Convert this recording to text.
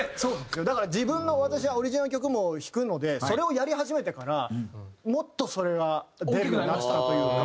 だから自分の私はオリジナル曲も弾くのでそれをやり始めてからもっとそれが出るようになったというか。